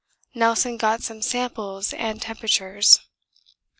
Nelson got some samples and temperatures.